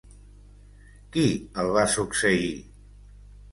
Qui el va succeir?